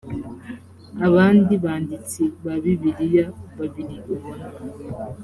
abandi banditsi ba bibiliya babiri ubona